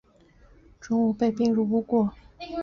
钟吾被并入吴国。